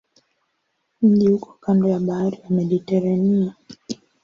Mji uko kando ya bahari ya Mediteranea.